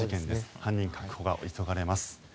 犯人確保が急がれます。